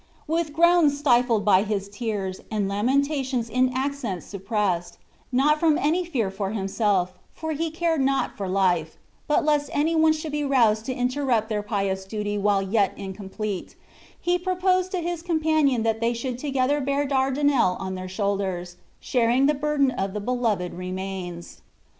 With groans stifled by his tears, and lamentations in accents suppressed, not from any fear for himself, for he cared not for life, but lest any one should be roused to interrupt their pious duty while yet incomplete, he proposed to his companion that they should together bear Dardinel on their shoulders, sharing the burden of the beloved remains.